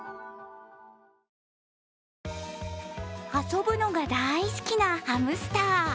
遊ぶのが大好きなハムスター。